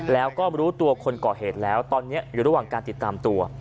แล้วก็รู้ตัวคนก่อเหตุแล้วตอนนี้อยู่ระหว่างการติดตามตัว